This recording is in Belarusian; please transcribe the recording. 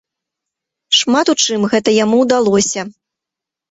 Шмат у чым гэта яму ўдалося.